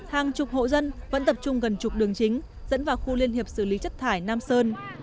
hàng chục hộ dân vẫn tập trung gần trục đường chính dẫn vào khu liên hiệp xử lý chất thải nam sơn